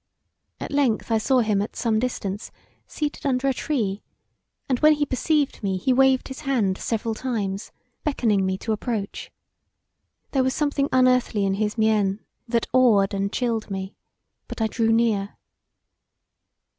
At length I saw him at some distance, seated under a tree, and when he perceived me he waved his hand several times, beckoning me to approach; there was something unearthly in his mien that awed and chilled me, but I drew near.